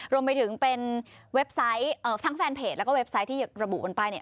รวมไปถึงเป็นเว็บไซต์ทั้งแฟนเพจแล้วก็เว็บไซต์ที่ระบุกันไปเนี่ย